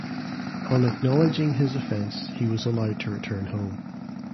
On acknowledging his offence he was allowed to return home.